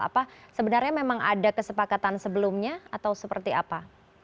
apa sebenarnya memang ada kesepakatan sebelumnya atau seperti apa